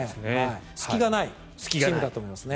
隙がないチームだと思いますね。